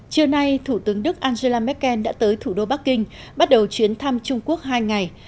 trưa nay thủ tướng đức angela merkel đã tới thủ đô bắc kinh bắt đầu chuyến thăm trung quốc hai ngày